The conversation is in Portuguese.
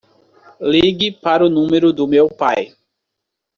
Ligue para o número do meu pai.